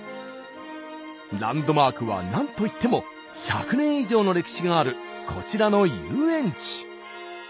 ランドマークは何といっても１００年以上の歴史があるこちらの遊園地。